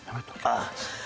ああ。